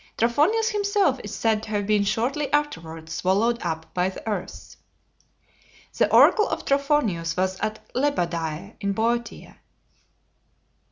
Trophonius himself is said to have been shortly afterwards swallowed up by the earth. The oracle of Trophonius was at Lebadea in Boeotia.